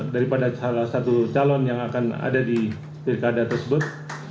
daripada salah satu calon yang akan ada di pilkada tersebut